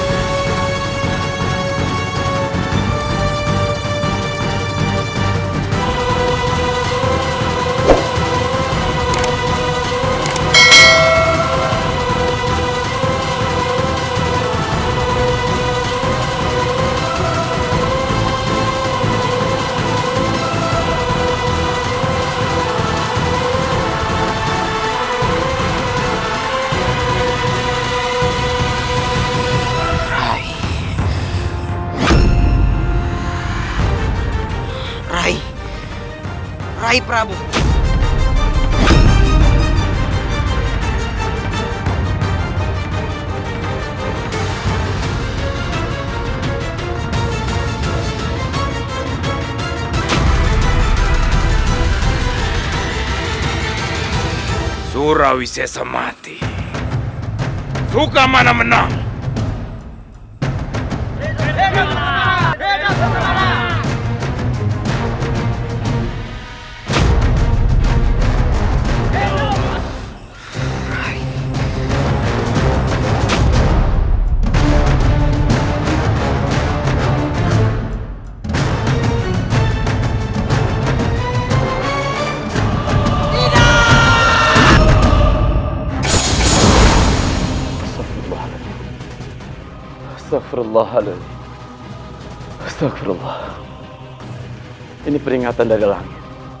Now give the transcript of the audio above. astagfirullahaladzim astagfirullahaladzim astagfirullah ini peringatan dari langit